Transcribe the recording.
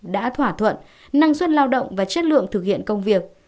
đã thỏa thuận năng suất lao động và chất lượng thực hiện công việc